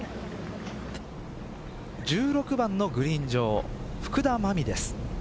１６番のグリーン上福田真未です。